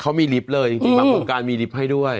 เขามีลิฟต์เลยจริงบางโครงการมีลิฟต์ให้ด้วย